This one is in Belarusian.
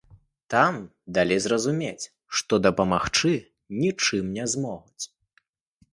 Там далі зразумець, што дапамагчы нічым не змогуць.